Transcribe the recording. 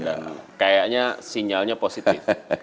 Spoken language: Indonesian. dan kayaknya sinyalnya positif